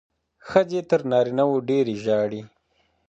ښځې تر نارینه وو ډېرې ژاړي.